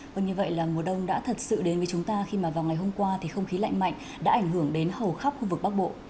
vâng như vậy là mùa đông đã thật sự đến với chúng ta khi mà vào ngày hôm qua thì không khí lạnh mạnh đã ảnh hưởng đến hầu khắp khu vực bắc bộ